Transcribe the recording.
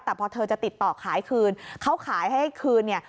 แต่พอเธอจะติดต่อขายคืนเขาขายให้คืนเนี่ย